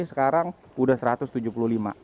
jadi sekarang udah satu ratus tujuh puluh lima cm